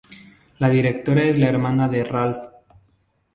La directora es la hermana de Ralph.